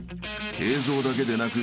映像だけでなく］